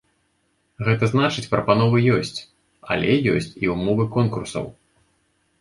Гэта значыць прапановы ёсць, але ёсць і ўмовы конкурсаў.